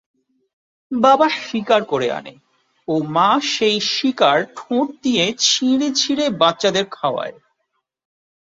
বাবা শিকার করে আনে ও মা সেই শিকার ঠোঁট দিয়ে ছিঁড়ে ছিঁড়ে বাচ্চাদের খাওয়ায়।